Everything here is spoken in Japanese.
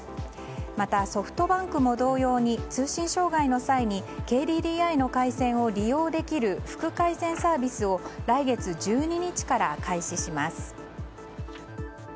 また、ソフトバンクも同様に通信障害の際にＫＤＤＩの回線を利用できる副回線サービスを来月１２日から開始します。